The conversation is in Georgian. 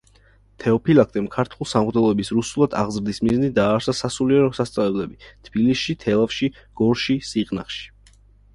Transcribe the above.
თეოფილაქტემ ქართულ სამღვდელოების რუსულად აღზრდის მიზნით დააარსა სასულიერო სასწავლებლები თბილისში, თელავში, გორში, სიღნაღში.